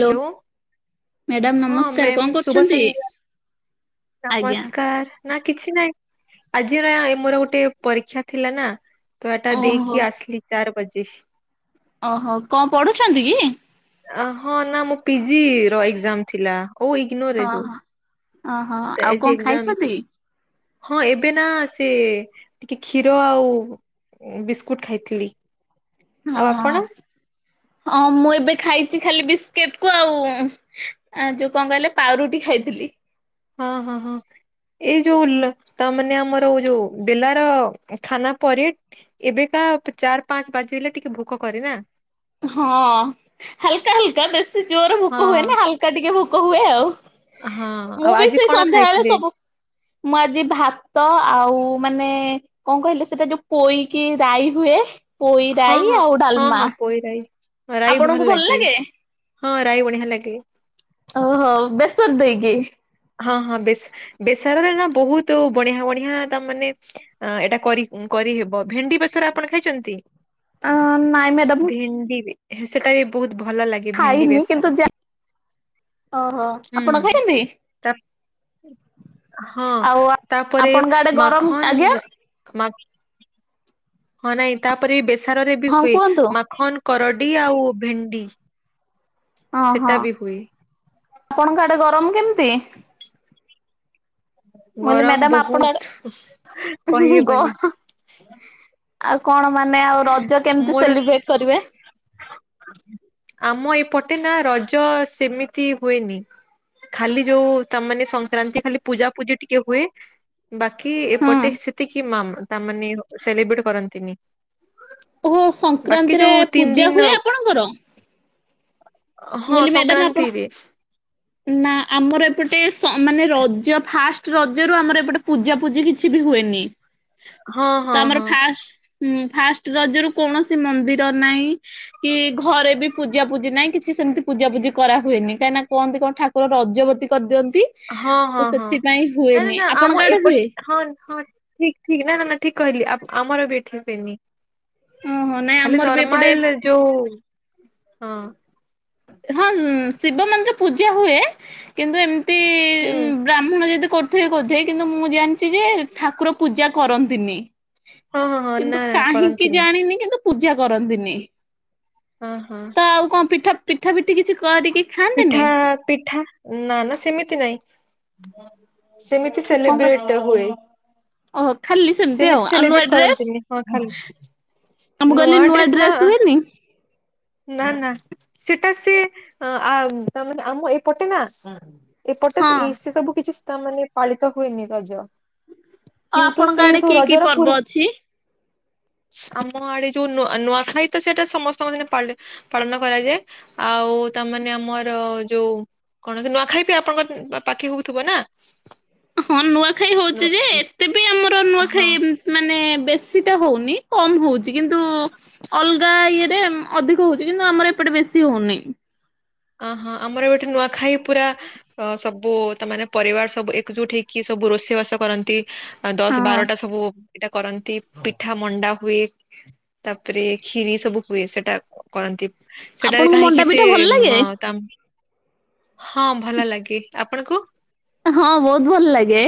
Hello madam ହଁ ନମସ୍କାର କଣ ମ୍ୟାମ୍ ଶୁଭ କରୁଛନ୍ତି? ସନ୍ଧ୍ୟା। ଆଜ୍ଞା। ନମସ୍କାର। ନା କିଛି ନାହିଁ ଆଜିର ଏ ଆ ମୋର ଗୋଟେ ପରୀକ୍ଷା ଥିଲା ନା ତୁ ଆଟା ଓହୋ ଦେଇକି ଆସଲି ଚାର ବଜେ। ଓହୋ କଣ ପଢୁଛନ୍ତି କି? ହଁ ନା ମୋ ପିଜି ର ଏକ୍ଜାମ ଥିଲାଉ ଇଗନୋର ଯୋଉ। ଓହୋ ଓହୋ ତ ଆଉ ଆଜି କଣ ଏକ୍ଜାମ ଖାଇଚନ୍ତି? ହଁ ଏବେ ନା ସେ ଟିକେ କ୍ଷୀର ଆଉ ବିସ୍କୁଟ ଖାଇଥିଲି। ହଁ ଆଉ ଆପଣ ହଁ ମୁଁ ଏବେ ଖାଇଚି ଖାଲି ବିସ୍କିଟ କୁ ଆଉଁ ଆ ଯୋଉ କଣ କହିଲେ ପାଉରୁଟି ଖାଇଥିଲି। ହଁ ହଁ ହଁ। ଏଇ ଯୋଉ ତା ମାନେ ଆମର ଯୋଉ ବେଲାର ଖାନା ପରେ ଏବେକା ଚାର୍ ପାଞ୍ଚ ବାଜ ହେଲେ ଟିକେ ଭୋକ କରେ ନା? ହଁ ହାଲକା ହାଲକା ବେଶୀ ଜୋର ଭୋକ ହୁଏ ହଁ ନି ହାଲକା ଟିକେ ଭୋକ ହୁଏ ଆଉ। ହଁ ଆଉ ମୁଁ ବି ଆଜି ସେଇ କଣ ସନ୍ଧ୍ୟାବେଳେ ଖାଇଥିଲେ? ସବୁ ମୁଁ ଆଜି ଭାତ ଆଉ ମାନେ କଣ କହିଲେ ସେଟା ଯୋଉ ପୋଇକି ରାଇ ହୁଏ ପୋଇ ହଁ ରାଇ ହଁ ଆଉ ହଁ ଡାଲମା। ହଁ ପୋଇ ରାଇ ଆପଣଙ୍କୁ ଭଲ ଲାଗେ? ହଁ ରାଇ ବଢିଆ ଲାଗେ। ଓହୋ ବେସର୍ ଦେଇକି। ହଁ ହଁ ବେସ୍-ବେସରରେ ନା ବହୁତୁ ବଢିଆ ବଢିଆ ତା ମାନେ ଅ ଏଇଟା କରି- କରିହେବ ଭେଣ୍ଡି ବେସର ଆପଣ ଖାଇଚନ୍ତି? ନାଇଁ ମ୍ୟାଡାମ ମୁଁ ଭେଣ୍ଡି ବି ସେଟା ବି ବହୁତ ଭଲ ଲାଗେ। ଭେଣ୍ଡି ଖାଇନି ବେସର କିନ୍ତୁ ଯା-ଓହୋ ଆପଣ ଖାଇଚନ୍ତି? ତାପ୍ -ହଁ ଆଉ ତାପରେ ଆପଣଙ୍କ ଆଡେ ଗରମ ମାଖନ୍ ଆଜ୍ଞା ମାକ୍ ହଁ ନାଇଁ ତାପରେ ବେସାର ରେ ବି ହଁ ହୁଏ କୁହନ୍ତୁ ମାଖନ କରଡି ଆଉ ଭେଣ୍ଡି। ଅ ହଁ ସେଟା ବି ହୁଏ ଆପଣଙ୍କ ଆଡେ ଗରମ କେମତି? କହିଲି ଗରମ ମ୍ୟାଡାମ ଆପଣ ଆଡେ ବହୁତ୍ ଗ କହିହେବନି। ଆଉ କଣ ମାନେ ଆଉ ରଜ କେମିତି ମୋର ସେଲିବ୍ରେଟ୍ କରିବେ? ଆମ ଏପଟେ ନା ରଜ ସେମିତି ହୁଏନି। ଖାଲି ଯୋଉ ତାମାନେ ସଂକ୍ରାନ୍ତି ଖାଲି ପୂଜା ପୂଜି ଟିକେ ହୁଏ ବାକି ହୁଁ ଏପଟେ ସେତିକି ମାମ୍ ତାମାନେ ସେଲିବ୍ରେଟ କରନ୍ତିନି। ଓହୋ ବାକି ସଂକ୍ରାନ୍ତିରେ ଯୋଉ ତିନି ପୂଜା ଦିନ ହୁଏ ଆପଣଙ୍କର? ମୁଁ ହଁ କଇଲି ମ୍ୟାଡ଼ାମ ଆପଣ ସଂକ୍ରାନ୍ତିରେ ନା ଆମର ଏପଟେସ-ମାନେ ରଜ ଫାଷ୍ଟ ରଜ ରୁ ଆମର ଏପଟେ ପୂଜା ପୂଜି କି ଛି ବି ହୁଏନି ହଁ ହଁ ତମର ହଁ। ଫାଷ୍ଟ ହୁଁ ଫାଷ୍ଟ ରଜ ରୁ କୌଣସି ମନ୍ଦିର ନାହିଁ କି ଘରେ ବି ପୂଜା ପୂଜି ନାହିଁ କି କିଛି ସେମିତି ପୂଜା ପୂଜି କରାହୁଏନି କାହିଁ ନା କହନ୍ତି କଣ ଠାକୁର ରଜବତୀ କରିଦିଅନ୍ତି। ହଁ ତ ହଁ ହଁ ସେଥିପାଇଁ ନା ନା ହୁଏନି ନା ଆପଣଙ୍କ ଆମ ଆଡେ ହୁଏ? ଏପଟ ହନ୍ ହନ୍ ଠିକ୍ ଠିକ୍ ନା ନା ନା ଠିକ୍ କହିଲି ଆମ୍-ଆମର ବି ଏଠିପେନି। ଓହୋ ନାଇଁ ଖାଲି ଆମର ବି ଏପଟେ ନର୍ମାଲ ଯୋଉ ହଁ। ହଁ ନ୍ ଶିବ ମନ୍ଦିର ପୂଜା ହୁଏ କିନ୍ତୁ ଏମିତି- ହୁଁ ଉଁ ବ୍ରାହ୍ମୁଣ ଯଦି କ ଥିବେ ବୋଧେ କିନ୍ତୁ ମୁଁ ଜାଣିଚି ଯେ ଠାକୁର ପୂଜା କରନ୍ତିନି। ହଁ ହଁ ହଁ ନା କିନ୍ତୁ ନା କାହିଁକି କରନ୍ତିନି। ଜାଣିନି କିନ୍ତୁ ପୂଜା କରନ୍ତିନି। ହଁ ହଁ। ତ ଆଉ କଣ ପିଠା ପିଠା ପିଠି କିଛି କରିକି ପିଠା ଖାଆନ୍ତେନି? ପିଠା ନା ନା ସେମିତି ନାଇଁ ସେମିତି କଣ ସେଲିବ୍ରେଟ୍ ହୁଏ। ଓହୋ ଖାଲି ଆଉ ସେମିତି ଆଉ ନୂଆ ସେଲିବ୍ରେଟ୍ ଡ୍ରେସ୍ କରନ୍ତିନି। ହଁ ଖାଲି ଆମ କହିଲି ନୂଆ ଡ୍ରେସ୍ ନା। ହୁଏନି? ନା ନା ସେଟା ସିଏ ଆ ତା ମାନେ ଆମ ଏପଟେ ନା ଏପଟେ ହଁ। ଇ ସେସବୁ କିଛି ତା ମାନେ ପାଳିତ ହୁଏନି ରଜ। ଆଉ କିନ୍ତୁ ଆପଣଙ୍କ ସେଇ ଆଡେ କି ସବୁ କି ରଜର ପର୍ବ ପୁର୍ ଅଛି? ଆମ ଆଡେ ଯୋଉ ନୂ ନୂଆଖାଇ ତ ସେଟା ସେଇଟା ସମସ୍ତଙ୍କ ଦିନେ ପାଲେ। ପାଳନ କରାଯାଏ। ଆଉ ତାମାନେ ଆମର ଯୋଉ କଣ କି ନୂଆଖାଇ ବି ଆପଣଙ୍କ ପାଖି ହୁଉଥିବ ନା। ହଁ ନୂଆଖାଇ ହୋଉଛି ଯେ ଏତେ ବି ଆମର ନୂଆଖାଇ ହଁ ମାନେ ବେଶୀ ଟା ହୋଉନି କମ୍ ହୋଉଛି କିନ୍ତୁ ଅଲଗା ଇଏରେ ଅଧି କୁହୁଛି କିନ୍ତୁ ଆମର ଏପଟେ ବେଶୀ ହଉନି। ଅହଁ ଆମର ଏପଟେ ନୂଆଖାଇ ପୁରା ଅ ସବୁ ତ ମାନେ ପରିବାର ସବୁ ଏକଜୁଟ ହେଇକି ସବୁ ରୋଷେଇ ବାସ କରନ୍ତି। ହଁ ଦଶ ବାରଟା ସବୁ ଇଟା କରନ୍ତି ପିଠା ମଣ୍ଡା ହୁଏ। ତାପରେ ଖିରି ସବୁ ହୁଏ, ସେଟା କରନ୍ତି ସେଟାରେ ଆପଣଙ୍କୁ ମଣ୍ଡା କାହିଁକି ସେ ପିଠା ଭଲ ଲାଗେ? ତାମ୍ହି ହଁ ଭଲ ଲାଗେ, ଆପଣଙ୍କୁ? ହଁ ବୋହୁତ ଭଲଲାଗେ।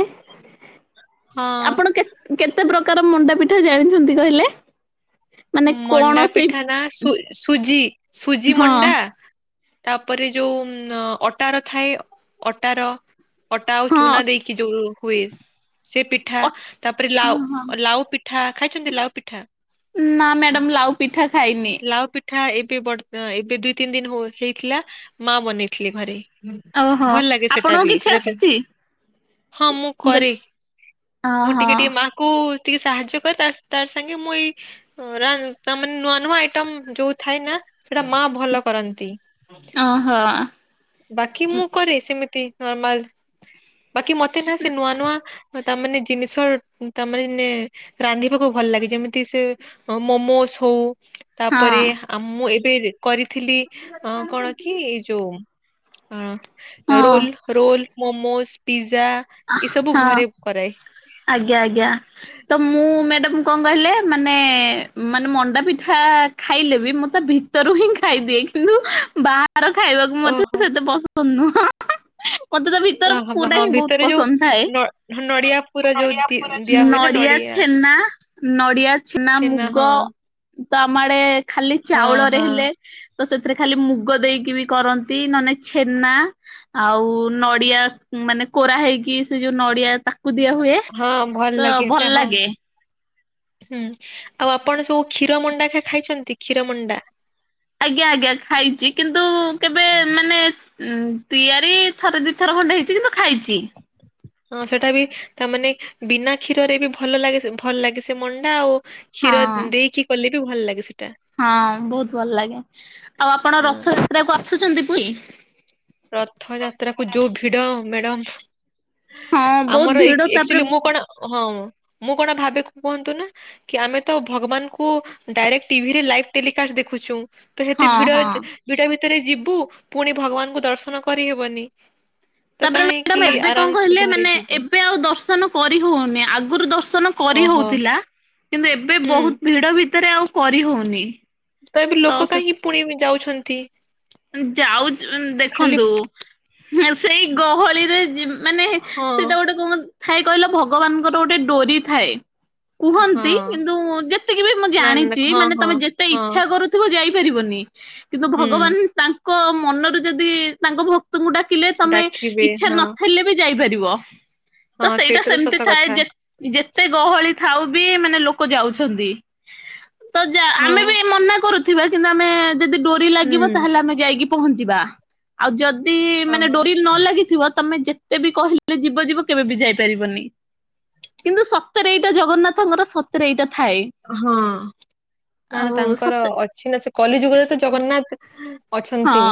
ହଁ ଆପଣ କେ କେତେ ପ୍ରକାର ମଣ୍ଡା ପିଠା ଜାଣିଛନ୍ତି କହିଲେ? ମାନେ କଣ ମଣ୍ଡା ସେଇ ପିଠା ନା ସୁ ସୁଜି ସୁଜି ହଁ ମଣ୍ଡା ତାପରେ ଯୋଉ ଅଟାର ଥାଏ ଅଟାର ଅଟା ଆଉ ହଁ ଚୁନା ଦେଇକି ଯୋଉ ହୁଏ ସେ ପିଠା ଅଟ ତାପରେ ହଁ ହଁ। ଲାଉ ଲାଉ ପିଠା, ଖାଇଛନ୍ତି ଲାଉ ପିଠା? ନା ମ୍ୟାଡାମ ଲାଉ ପିଠା ଖାଇନି। ଏଠା ଏବେ ବଡ ଏବେ ଦୁଇ ତିନି ଦିନ ହୋ ହେଇଥିଲା, ମା ବନେଇଥିଲେ ଘରେ। ଓହୋ ଭଲ ଲାଗେ ସେଟା ଆପଣଙ୍କୁ ବି କିଛି ସେଟା ବି। ଆସିଛି? ହଁ ମୁଁ କରେ, ମୁଁ ଓହୋ ଟିକେ ଟିକେ ମା କୁ ଟିକେ ସାହାଯ୍ୟ କରେ, ତାର୍ ତାର୍ ସାଙ୍ଗେ ମୁଁ ଏଇ ଓରାନ୍ ତାମାନ୍ ନୂଆ ନୂଆ ଆଇଟମ୍ ଯୋଉ ଥାଏ ନା, ସେଟା ମା ଭଲ କରନ୍ତି। ଓହୋ। ବାକି ହଁ ମୁଁ କରେ ସେମିତି ନର୍ମାଲ, ବାକି ମତେ ନା ସେ ନୂଆ ନୂଆ ହ ତାମାନେ ଜିନିଷ ତାମାରି ନେ ରାନ୍ଧିବାକୁ ଭଲ ଲାଗେ ଯେମିତି ସେ ମୋମୋସ୍ ହୋ ତାପରେ ହଁ ଆ ମୁଁ ଏବେ କରିଥିଲି ଅ କଣ କି ଏଇ ଯୋଉ ହଁ ରୋଲ୍ ରୋଲ୍, ମୋମୋସ୍, ପିଜା ଏସବୁ ହଁ ଘରେ କରାଏ। ଆଜ୍ଞା ଆଜ୍ଞା। ତ ମୁଁ ମ୍ୟାଡାମ କଣ କହିଲେ ମାନେ ମାନେ ମଣ୍ଡା ପିଠା ଖାଇଲେ ବି ମୁଁ ତା ଭି ଭରୁ ହିଁ ଖାଇଦିଏ, କିନ୍ତୁ ବାହା ହାର ଖାଇବାକୁ ମତେ ଓହୋ ସେତେ ପସନ୍ଦ ନୁହଁ। ମତେ ତା ଭିତର ଓହୋ ପୁରା ହଁ ହିଁ ବହୁତ୍ ଭିତରେ ଯୋଉ ପସନ୍ଦ ଥାଏ। ନ ନଡିଆ ପୁର ଯୋଉ ଦି ଦିଆ ହୁଏ ନା ନଡିଆ ଛେନା ନଡିଆ, ଛେନା, ମୁଗ ତ ଆମ ଆଡେ ଖାଲି ହଁ ଚାଉଳରେ ହଁ ହେଲେ ତ ସେଥିରେ ଖାଲି ମୁଗ ଦେଇକି ବି କରନ୍ତି ନନେ ଛେନା ଆଉ ନଡିଆ ମାନେ କୋରା ହେଇକି ସେ ଯୋଉ ନଡିଆ। କୁଦିଆ ହୁଏ ହଁ ଭଲ ତ ଲାଗେ ଏଟା ଭଲ ହଁ ଲାଗେ। ହୁଁ ଆଉ ଆପଣ ସବୁ କ୍ଷୀର ମଣ୍ଡା ଖ ଖାଇଛନ୍ତି କ୍ଷୀର ମଣ୍ଡା? ଆଜ୍ଞା ଆଜ୍ଞା ଖାଇଛି କିନ୍ତୁ କେବେ ମାନେ ଉଁ ତିଆରି ଥରେ ଦୁଇଥର ଖଣ୍ଡେ ହେଇଛି କିନ୍ତୁ ଖାଇଛି। ହଁ ସେଟା ବି ତାମାନୋନେ ବିନା କ୍ଷୀରରେ ବି ଭଲ ଲାଗେ ଭଲ ଲାଗେ ସେ ମଣ୍ଡା ଆଉ ହଁ କ୍ଷୀର ଦେଇକି କଲେ ବି ଭଲ ଲାଗେ ସେଟା। ହଁ ବହୁତ ଭଲ ଲାଗେ ଆଉ ଆପଣ ହଁ ରଥଯାତ୍ରା କ ଆସୁଛନ୍ତି ପୁରୀ? ରଥ ଯାତ୍ରା କୁ ଯୋଉ ଭିଡ ମେଡମ। ହଁ ବହୁତ ଆମର ଭିଡ ଏକ୍ ତାପରେ ଚୁଲି ମୁଁ କଣ ହଁ ମୁଁ କଣ ଭାବେ କୁ କୁହନ୍ତୁ ନା? କି ଆମେ ତ ଭଗବାନଙ୍କୁ ଡାଇରେକ୍ଟ ଟିଭିରେ ଲାଇଭ ଟେଲିକାଷ୍ଟ ଦେଖୁଛୁ। ତ ସେତେ ହଁ ଭିଡ ହଁ ଭିଡ ଭିତରେ ଯିବୁ ପୁଣି ଭଗବାନଙ୍କୁ ଦର୍ଶନ କରିହେବନି। ତ ତାପରେ ମେଡାମ୍ କାହିଁକି ଏବେ ଆରାମ କଣ ସେ କହିଲେ ଘରେ ମାନେ ଯିବ ଏବେ ଆଉ ଦର୍ଶନ କରି ହଉନି ଆଗରୁ ଦର୍ଶନ କରି ଓହୋ ହଉଥିଲା କିନ୍ତୁ ଏବେ ହୁଁ ବହୁତ ଭିଡ ଭିତରେ ଆଉ କରି ହଉନି। ତ ଏବେ ଲୋକ କାହିଁକି ପୁଣି ଯାଉଛନ୍ତି? ଯାଉଛି ଲ ଖାଲି ଦେଖନ୍ତୁ। ସେଇ ଗହଳିରେ ଯି ମାନେ ହଁ ସେଟା ଗୋଟେ କ ଥାଏ କହିଲ ଭଗବାନଙ୍କର ଗୋଟେ ଡୋରି ଥାଏ। କୁହନ୍ତି ହଁ କିନ୍ତୁ ଯେତିକି ବି ମୁଁ ନା ନା ନା ଜାଣିଛି ହଁ ମାନେ ହଁ ତମେ ଯେତେ ହଁ ଇଚ୍ଛା କରୁ। ଥିବ ଯାଇପାରିବନି କିନ୍ତୁ ହୁଁ ଭଗବାନ ତାଙ୍କ ମନରେ ଯଦି ତାଙ୍କ ଭକ୍ତଙ୍କୁ ଡା। କିଲେ ତମେ ଡାକିବେ ଇଚ୍ଛା ହଁ ନଥିଲେ ବି ଯାଇପାରିବ। ତ ହଁ ସେଇଟା ତ ସେମିତି ସତ ଥାଏ କଥା ଯେ ଯେତେ ଗହଳି। ଥାଉ ବି ମାନେ ଲୋକ ଯାଉଛନ୍ତି ତ ହଁ ଆମେ ବି ମନା କରୁଛୁ। କିନ୍ତୁ ଆମେ ଯଦି ଡୋରି ଲାଗିବ ହୁଁ ତାହେଲେ ଆମେ ଯାଇକି ପହଞ୍ଚିବା। ଆଉ ଯଦି ମାନେ ହଁ ଡୋରି ନ ଲାଗିଥିବ ତମେ ଯେ। ତେ ବି କହିଲେ ଯିବ ଯିବ କେବେ ବି ଯାଇପାରିବନି। କିନ୍ତୁ ସତରେ ଏଇଟା ଜଗନ୍ନାଥଙ୍କର ସତରେ ଏଇଟା ଥାଏ। ହଁ ନା ଆଉ ନା ତାଙ୍କର ସତ ଅଛି ନା ସେ କଲି ଯୁଗରେ ତ ଜଗନ୍ନାଥ ଅଛନ୍ତି।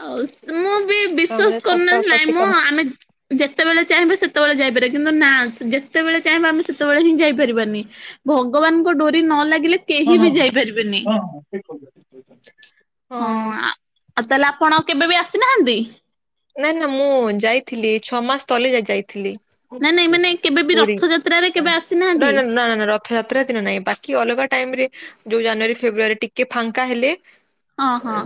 ହଉ ମୁଁ ବି ତାମାନେ ବିଶ୍ଵାସ ସତ କରୁନଥିଲି ନାଇଁ ପ୍ରତିକା ମୁଁ ଆମେ ଯେତେବେଳେ ଚାହିଁବା ସେତେବେଳେ ଯାଇପାରିବା କିନ୍ତୁ ନା ଯେତେବେଳେ ଚାହିଁବା ଆମେ ସେତେବେଳେ ହିଁ ଯାଇପାରିବାନି। ଭଗବାନଙ୍କ ଡୋରି ନ ଲାଗିଲେ। କେହି ବି ଯାଇପାରିବେନି ହଁ। ଆଉ ତାହେଲେ ଆପଣ କେବେ ବି ଆସିନାହାନ୍ତି? ନା ନା ମୁଁ ଯାଇଥିଲି ଛଅ ମାସ ତଲେ ଯ ଯାଇଥିଲି। ନାଇଁ ନାଇଁ ମାନେ କେବେ ବି ପୁରୀ ରଥଯାତ୍ରାରେ କେବେ ର ଆସିନାହାନ୍ତି ନା ନା ର ଥଯାତ୍ରା ଦିନ ନାହିଁ ବାକି ଅଲଗା ଟାଇମରେ ଯୋଉ ଜାନୁଆରୀ ଫେବୃାରୀ ଟିକେ ଫାଙ୍କା ହେଲେ। ହଁ ହଁ।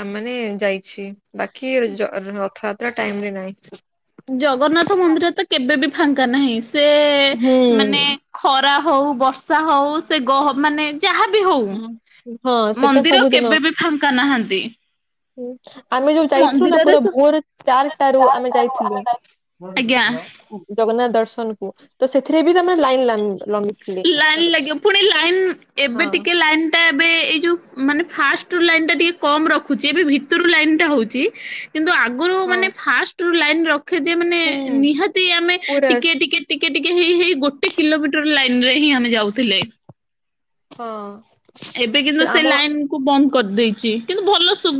ଆମେମାନେ ଯାଇଛି ବାକି ଜ। ରଥଯାତ୍ରା ଟାଇମ ରେ ନାହିଁ। ଜଗନ୍ନାଥ ମନ୍ଦିର ତ କେବେ ବି ଫାଙ୍କା ନାହିଁ ସେ ହୁଁ ମାନେ ଖରା ହଉ ବର୍ଷା ହଉ ସେ ଗହ ମାନେ। ଯାହା ବିି ହଉ ହୁଁ। ହଁ ସେଟା ମନ୍ଦିର କେବେ ବି ଫାଙ୍କା ନାହାନ୍ତି। ହ ଆମେ ଯୋଉ ଯାଇଥିଲୁ ନା ମନ୍ଦିରରେ ପୁରା ସ ଭୋର ଚାରିଟାରୁ ଆମେ ଯାଇଥିଲୁ। ଆଜ୍ଞା। ଜଗନ୍ନାଥ ଦର୍ଶନ କୁ ତ ସେଥିରେ ବି ତେ ଲାଇନ ଲାଇନ୍। ଲାଇନ୍ ଲାଗିବ ପୁଣି ଲାଇନ୍ ଏବେ ହଁ ଟିକେ ଲାଇନ୍ ଟା ଏବେ ଏଇ ଯୋଉ ମାନେ ଫାଷ୍ଟ ରୁ ଲାଇନ୍ ଟା ଟିକେ କମ୍ ରଖୁଛି ଏବେ ଭିତୁରୁ ଲାଇନ୍ ଟା ହୋଉଚି କିନ୍ତୁ ଆଗୁରୁ ହଁ। ଫାଷ୍ଟରୁ ଲାଇନ୍ ରଖିଥିବେ ମାନେ ହୁଁ ନିହାତି ଆମେ ପୁରା ଟିକେ ଟିକେ ଟିକେ ଟିକେ ହେଇ ହେଇ ଗୋଟେ କିଲୋମିଟର ଲାଇନ୍ ରେ ହିଁ ଆମେ ଯାଉଥିଲେ। ହଁ। ଏବେ କିନ୍ତୁ ସେ ଲାଇନ୍ କୁ ବନ୍ଦ କରିଦେଇଛି କିନ୍ତୁ ଭଲ ସୁ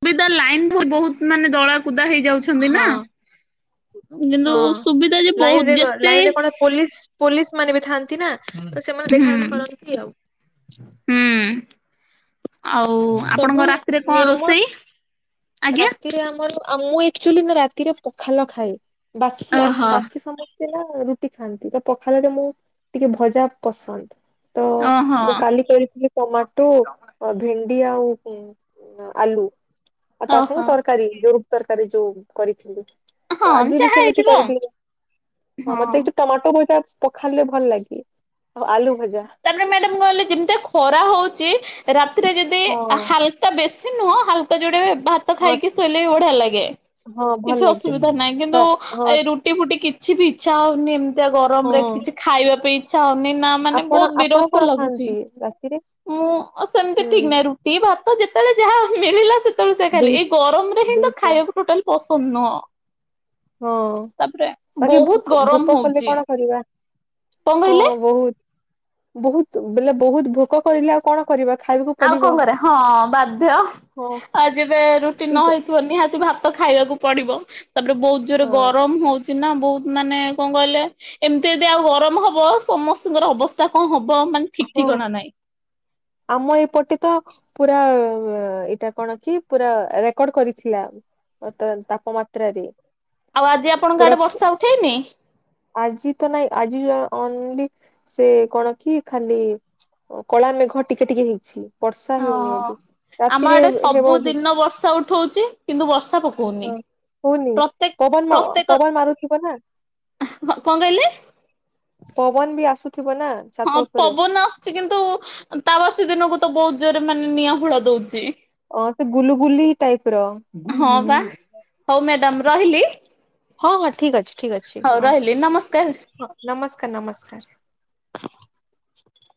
ସୁବିଧା ଲାଇନ୍ ବହୁତ୍ ମାନେ ଦଳା କୁଦା ହେଇଯାଉଛି। ହୋଉଛନ୍ତି ହଁ ନାଁ କିନ୍ତୁ ହଁ ସୁବିଧା ଯେ ଲାଇନ ରେ ବହୁତ ଯେତେ ଲାଇନ ରେ କଣ ପୋଲିସ ପୋଲିସ ମାନେ ବି ଥାନ୍ତି ନା ତ ସେମାନେ ହୁଁ ଦେଖା ରେଖା କରନ୍ତି ଆଉ। ହୁଁ ଆଉ ସବୁ ଆପଣଙ୍କର ରାତିରେ କଣ ନିୟମ ରୋଷେଇ? ଆଜ୍ଞା। ରାତିରେ ଆମର ମୁଁ ଏ କଚୁଆଲି ରାତିରେ ପଖାଲ ଖାଏ ବାକି ଆମ ଓହୋ। ବାକି ସମ ସେ ହେଲା ରୁଟି ଖାଆନ୍ତି ତ ପଖାଲରେ ମୁଁ ଟିକେ ଭଜା ପସନ୍ଦ। ତ ଓହୋ ମୁଁ କାଲି କରିଥିଲି ଟମାଟୋ ଭେଣ୍ଡି ଆଉ ଆଲୁ ଆଉ ତା ଓହୋ ସାଙ୍ଗେ ତରକାରୀ ଯୋଉ ତରକାରୀ ଯୋଉ କରିଥିଲି ତ ହଁ ଆଜି ବି ଯାହା ସେମିତି ହେଇଥିବ ଆଉ କରିବି ହଁ ମତେ ଟମାଟୋ ଭଜା ପଖାଲରେ ଭଲ ଲାଗେ ଆଉ ଆଲୁ ଭଜା। ତାପରେ ମ୍ୟାଡାମ କହିଲେ ଯେମିତିଆ ଖରା ହୋଉଛି ରାତିରେ ଯଦି ହଁ ହାଲ କା ବେଶୀ ନୁହଁ ହାଲକା ଯୋଡେ ଭା ତ ହଁ ଖାଇକି ଶୋଇଲେ ବି ବଢିଆ ଲାଗେ ହଁ ଭଲ କିଛି ଲାଗେ। ଅସୁବିଧା ନାହିଁ କିନ୍ତୁ ହଁ ଏ ରୁଟି ଫୁଟି କିଛି ବି ଇଚ୍ଛା ହୋଉନି। ଏମିତିଆ ଗରମରେ ହଁ କିଛି ଖାଇବା ପାଇଁ ଇଚ୍ଛା ହୋଉନି ନା ମାନେ ଆପଣ ବହୁତ ଆପଣ ବିରକ୍ତ କଣ ଲାଗୁଛି। ଖାଆନ୍ତି ରାତିରେ? ମୁଁ ସେମିତି ହୁଁ ଠିକ ନାଇଁ ରୁ ରୁଟି ଭାତ ଯେତେବେଳେ ଯାହା ମିଳିଲା ସେତେବେଳେ ସେୟା ଖାଇଲି ଦୁଇ ଏଇ ଗରମ ରେ ହିଁ ତ ଦୁଇଟା ଖାଇବାକୁ ଟୋଟାଲି ପସନ୍ଦ ନୁହଁ, ହଁ ତାପରେ ବାକି ବହୁତ୍ ଭୋକ ଗରମ ଭୋକ କଲେ ହୋଉଛି। କଣ କରିବା ହଁ ବହୁତ୍ ବହୁତ୍ ବୋଇଲେ ବହୁତ ଭୋକ କରିଲେ ଆଉ କଣ କରିବା ଖାଇବାକୁ ଆଉ ପଡିବ କଣ କରିବା ହଁ ବାଧ୍ୟ। ହଁ ଆଉ ଯେବେ ରୁଟି ନ ଠିକ ହେଇଥିବ ନିହାତି ଭାତ ଖାଇବାକୁ ପଡିବ ତାପରେ ବହୁତ୍ ଜୋରେ ହଁ ଗରମ ହୋଉଛି ନା ବହୁତ ମାନେ କଣ କହିଲେ ଏମିତି ଯଦି ଆଉ ଗରମ ହବ ସମସ୍ତଙ୍କର ଅବସ୍ଥା କଣ ହବ ମାନେ ଠିକ୍ ହଁ ଠିକଣା ନାଇଁ। ଆମ ଏଇପଟେ ତ ପୁରା ଏଇଟା କଣ କି ପୁରା ରେକର୍ଡ କରିଥିଲା ତା ତାପମାତ୍ରାରେ। ଆଉ ଆଜି ଆପଣଙ୍କ ପୁରା ଆଡେ ବର୍ଷା ଉଠେଇନି? ଆଜି ତ ନାଇଁ ଆଜି ଅନଲି ସେ କଣ କି ଖାଲି କଳା ମେଘ ଟିକେ ଟିକେ ହେଇଛି। ବର୍ଷା ହେଉନି ଓହୋ ଏବେ। ଆମ ରାତିରେ ଆଡେ ହେବ ବି ସବୁଦିନ ବର୍ଷା ଉଠୋଉଚି କିନ୍ତୁ ବର୍ଷା ପକୋଉନି। ହୋଉନି ପବନ ପବନ ମାରୁଥିବ ନା। ହଁ। କଣ କହିଲେ? ପବନ ବି ଆସୁଥିବ ନା? ହଁ ଛାତ ଉପରେ ପବନ ଆସୁଛି କିନ୍ତୁ ତାବାସୀ ଦିନକୁ ତ ବହୁତ୍ ଜୋରେ ମାନେ ନିଆଁ ହୁଳା ଦୋଉଛି। ଅଁ ସେ ଗୁଲୁଗୁଲି ଟାଇପ୍ ର। ହଁ ବା ହଉ ମ୍ୟାଡାମ ହଁ ହଁ ଠିକ୍ ଅଛି। ଠିକ ଅଛି ହୋଉ ହଁ ରହିଲି ନମସ୍କାର। ହଁ ନମସ୍କାର ନମସ୍କାର।